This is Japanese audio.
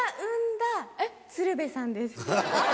鶴瓶さんです。